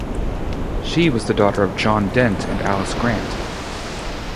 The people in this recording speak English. She was the daughter of John Dent and Alice Grant.